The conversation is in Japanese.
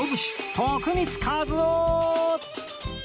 徳光和夫